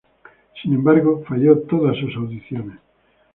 Sin embargo, falló todas sus audiciones.